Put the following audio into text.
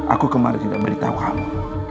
aku kemarin tidak beritahu kamu